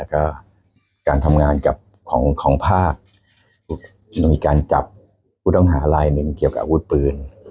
ความสงสัยของภากฯมีการจับมาตรงหาลายหนึ่งเกี่ยวกับอาวุธปืน